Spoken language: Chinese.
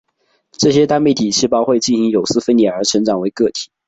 这些单倍体细胞会进行有丝分裂而成长为个体。